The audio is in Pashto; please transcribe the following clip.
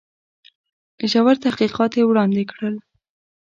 ژور تحقیقات یې وړاندي کړل.